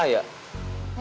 ngapain kamu ketemu